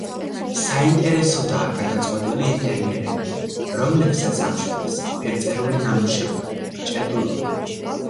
საინტერესოდაა გადაწყვეტილი ინტერიერები, რომლებსაც ამშვენებს ფერწერული ნამუშევრები, ჭედურობა.